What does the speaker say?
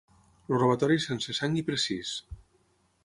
El robatori és sense sang i precís.